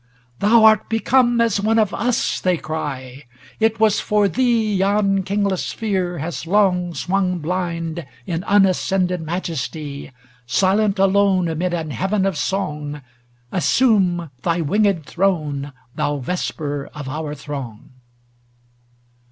* Thou art become as one of us,' they cry; ' It was for thee yon kingless sphere has long Swung blind in unascended majesty. Silent alone amid an Heaven of song. Assume thy winged throne, thou Vesper of our throng